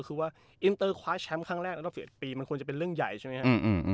มันมันควรจะเป็นเรื่องใหญ่ใช่ไหมฮะอืมอืมอืม